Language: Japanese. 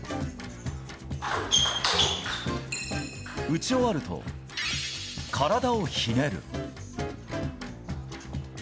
打ち終わると、体をひねる。